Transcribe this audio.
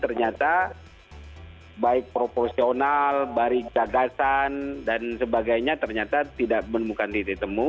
ternyata baik proporsional barik gagasan dan sebagainya ternyata tidak menemukan titik temu